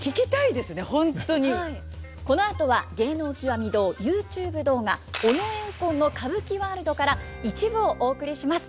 このあとは「芸能きわみ堂」ＹｏｕＴｕｂｅ動画「尾上右近の歌舞伎ワールド」から一部をお送りします。